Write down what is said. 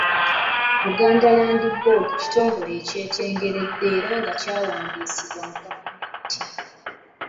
Buganda Land Board kitongole ekyetengeredde era nga kyawandiisibwa mu gavumenti.